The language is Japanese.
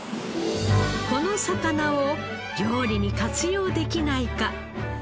この魚を料理に活用できないか。